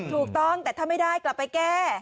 ถูกต้องแต่ถ้าไม่ได้กลับไปแก้